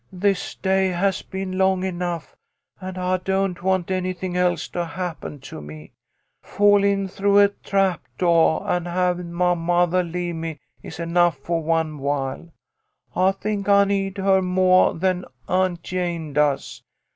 " This day has been long enough, and I don't want anything else to happen to me. Fallin' through a trap doah and bavin' my mothah leave me is enough fo' one while. I think I need her moah than Aunt Jane does.